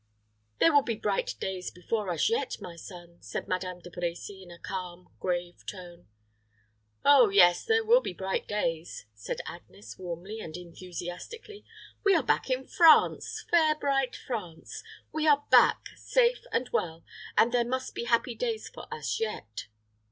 "There may be bright days before us yet, my son," said Madame de Brecy, in a calm, grave tone. "Oh, yes, there will be bright days," said Agnes, warmly and enthusiastically. "We are back in France fair bright France; we are back, safe and well, and there must be happy days for us yet."